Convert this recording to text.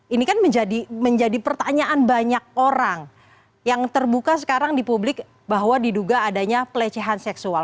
ini kan menjadi pertanyaan banyak orang yang terbuka sekarang di publik bahwa diduga adanya pelecehan seksual